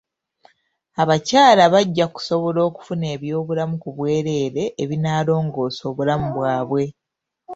Abakyala bajja kusobola okufuna eby'obulamu ku bwereere ebinaalongoosa obulamu bwabwe.